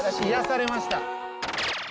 いやされました。